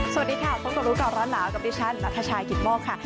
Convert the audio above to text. สวัสดีค่ะพบกับรู้ก่อนร้อนหนาวกับดิฉันนัทชายกิตโมกค่ะ